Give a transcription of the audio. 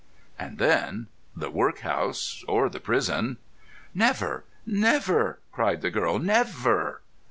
"And then—the workhouse or the prison." "Never, never!" cried the girl. "Never!"